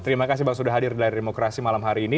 terima kasih bang sudah hadir di layar demokrasi malam hari ini